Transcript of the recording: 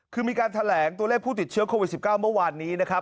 คือมีการแถลงตัวเลขผู้ติดเชื้อโควิด๑๙เมื่อวานนี้นะครับ